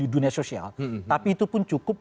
dunia sosial tapi itu pun cukup